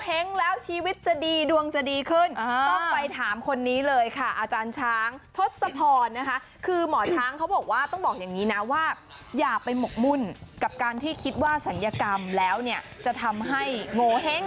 เอาทำแค่พอประมาณก็แล้วกัน